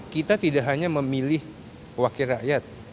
kita tidak hanya memilih wakil rakyat